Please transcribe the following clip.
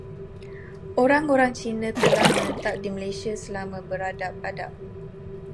Orang-orang Cina telah menetap di Malaysia selama berabad-abad.